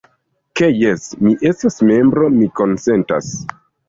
Ke jes, mi estas membro, mi konsentas.